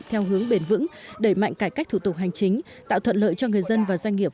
theo hướng bền vững đẩy mạnh cải cách thủ tục hành chính tạo thuận lợi cho người dân và doanh nghiệp